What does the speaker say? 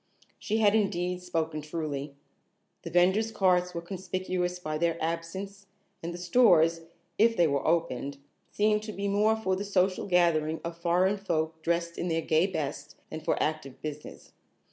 She had indeed spoken truly. The vendors' carts were conspicuous by their absence and the stores, if they were open, seemed to be more for the social gathering of foreign folk dressed in their gay best, than for active business.